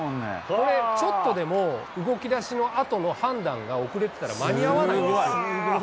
これ、ちょっとでも動きだしのあとの判断が遅れてたら、間に合わないんですよ。